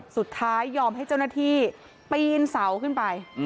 สุดท้ายยอมให้เจ้าหน้าที่ปีนเสาขึ้นไป